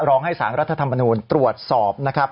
ร้องให้สารรัฐธรรมนูลตรวจสอบนะครับ